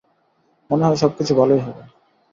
মনে হয় সবকিছু ভালোই হবে।